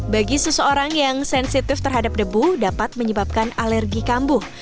bagi seseorang yang sensitif terhadap debu dapat menyebabkan alergi kambuh